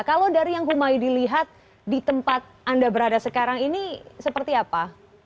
kalau dari yang humaydi lihat di tempat anda berada sekarang ini seperti apa